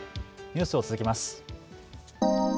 ニュースを続けます。